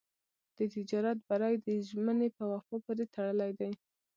د تجارت بری د ژمنې په وفا پورې تړلی دی.